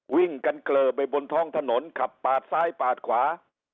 วิ่งกันเกลอไปบนท้องถนนขับปาดซ้ายปาดขวา